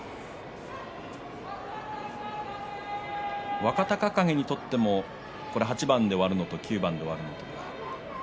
若隆景にとっても８番で終わるのと９番ではだいぶ違いますね。